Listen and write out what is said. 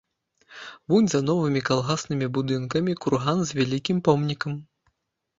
Вунь за новымі калгаснымі будынкамі курган з вялікім помнікам.